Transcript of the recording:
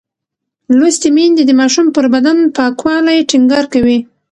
لوستې میندې د ماشوم پر بدن پاکوالی ټینګار کوي.